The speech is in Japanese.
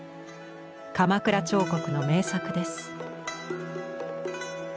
鎌倉彫刻の名作です。